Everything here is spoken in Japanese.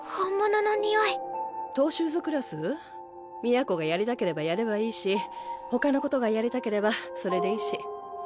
都がやりたければやればいいしほかのことがやりたければそれでいいし。